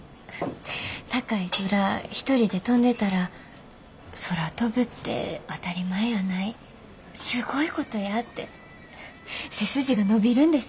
高い空一人で飛んでたら空飛ぶって当たり前やないすごいことやて背筋が伸びるんです。